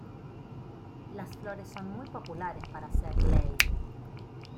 Las flores son muy populares para hacer "lei".